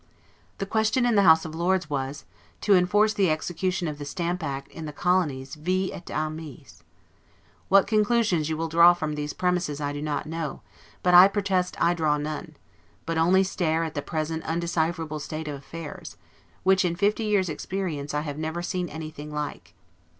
The question in the House of Lords was, to enforce the execution of the Stamp act in the colonies 'vi et armis'. What conclusions you will draw from these premises, I do not know; but I protest I draw none; but only stare at the present undecipherable state of affairs, which, in fifty years' experience, I have never seen anything like.